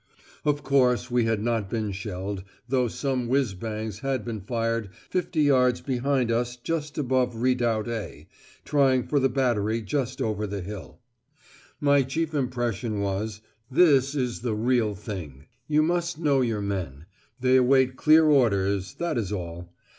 Of course we had not been shelled, though some whizz bangs had been fired fifty yards behind us just above 'Redoubt A,' trying for the battery just over the hill. My chief impression was, 'This is the real thing.' You must know your men. They await clear orders, that is all.